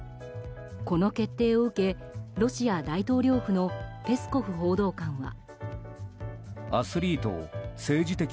この決定を受けロシア大統領府のペスコフ報道官は。